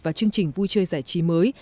và chương trình vui chơi giải trí mới